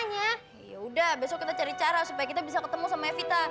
ya udah besok kita cari cara supaya kita bisa ketemu sama evita